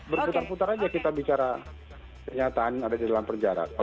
berputar putar saja kita bicara pernyataan yang ada di dalam perjaraan